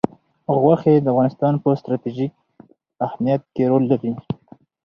غوښې د افغانستان په ستراتیژیک اهمیت کې رول لري.